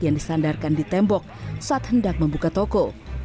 yang disandarkan di tembok saat hendak membuka toko